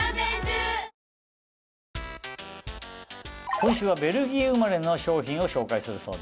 今週はベルギー生まれの商品を紹介するそうです。